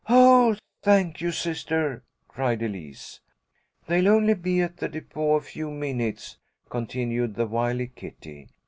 "Oh, thank you, sister," cried Elise. "They'll only be at the depot a few minutes," continued the wily Kitty.